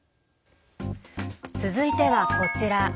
続いては、こちら。